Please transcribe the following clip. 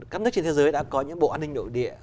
các nước trên thế giới đã có những bộ an ninh nội địa